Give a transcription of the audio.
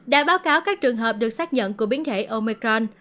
đã báo cáo các trường hợp được xác nhận của biến thể omecron